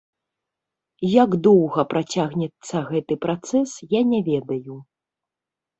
Як доўга працягнецца гэты працэс, я не ведаю.